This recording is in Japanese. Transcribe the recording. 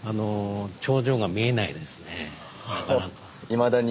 いまだに。